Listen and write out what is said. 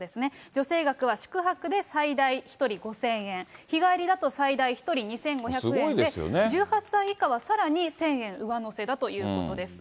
助成額は宿泊で最大１人５０００円、日帰りだと最大１人２５００円で、１８歳以下はさらに１０００円上乗せだということです。